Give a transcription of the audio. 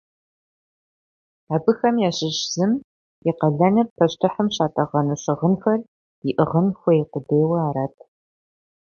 Абыхэм ящыщ зым и къалэныр пащтыхьым щатӀэгъэну щыгъынхэр иӀыгъын хуей къудейуэ арат.